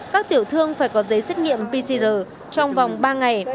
các tiểu thương phải có giấy xét nghiệm pcr trong vòng ba ngày